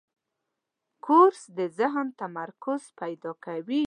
کورس د ذهن تمرکز پیدا کوي.